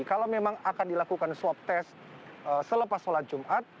kalau memang akan dilakukan swab test selepas sholat jumat